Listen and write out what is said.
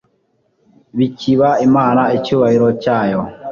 bikiba imana icyubahiro cyayo